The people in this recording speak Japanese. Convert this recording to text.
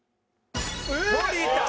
森田！